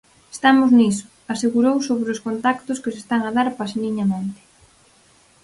"Estamos niso", asegurou sobre os contactos que se están a dar "paseniñamente".